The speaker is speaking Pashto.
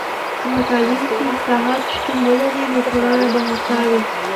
که په تعلیم کې اصلاحات شتون ولري، نو ټولنه به هوسا وي.